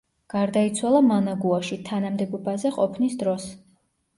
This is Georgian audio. გარდაიცვალა მანაგუაში, თანამდებობაზე ყოფნის დროს.